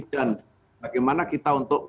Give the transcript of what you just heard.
dan bagaimana kita untuk